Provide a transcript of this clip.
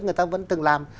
người ta vẫn từng làm